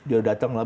dia datang lah